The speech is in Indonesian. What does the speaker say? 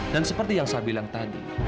dan seperti yang saya bilang tadi